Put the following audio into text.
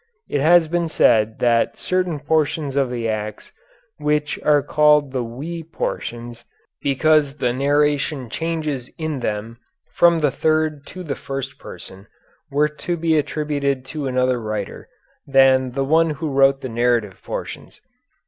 It has been said that certain portions of the Acts which are called the "we" portions because the narration changes in them from the third to the first person were to be attributed to another writer than the one who wrote the narrative portions.